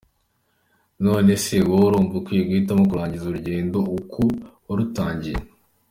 Nonese wowe urumva ukwiye guhitamo kurangiza urugendo uko warutangiye?